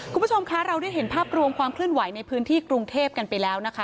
คุณผู้ชมคะเราได้เห็นภาพรวมความเคลื่อนไหวในพื้นที่กรุงเทพกันไปแล้วนะคะ